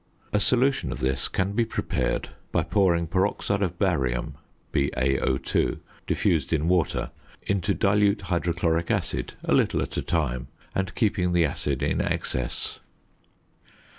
A solution of this can be prepared by pouring peroxide of barium (BaO_) diffused in water into dilute hydrochloric acid (a little at a time), and keeping the acid in excess.